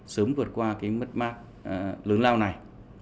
sớm vượt qua mất mát lớn lao này